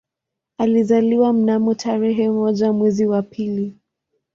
Alizaliwa mnamo tarehe moja mwezi wa pili